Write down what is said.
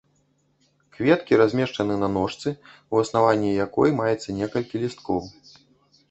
Кветкі размешчаны на ножцы, у аснаванні якой маецца некалькі лісткоў.